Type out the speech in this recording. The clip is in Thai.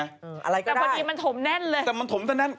อะไรก็ได้อเรนนี่แต่พอดีมันถมแน่นเลย